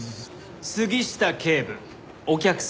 杉下警部お客様が。